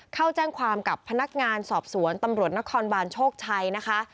เข้าแจ้งความกับพนักงานสอบสวนตำรวจนครบานโชคชัยนะคะ